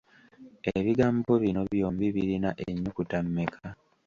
Ebigambo bino byombi birina ennyukuta mmeka?